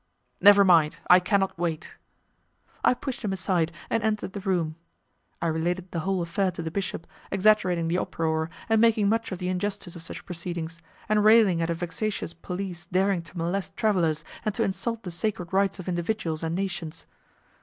"Never mind, I cannot wait." I pushed him aside and entered the room. I related the whole affair to the bishop, exaggerating the uproar, making much of the injustice of such proceedings, and railing at a vexatious police daring to molest travellers and to insult the sacred rights of individuals and nations.